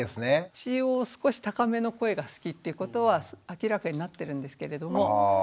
一応少し高めの声が好きっていうことは明らかになってるんですけれども。